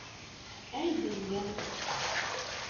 Әй, донъя!..